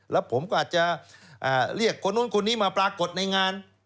แล้วผมก็อาจจะเรียกคนนู้นคนนี้มาปรากฏในงาน